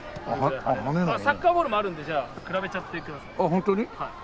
サッカーボールもあるのでじゃあ比べちゃってください。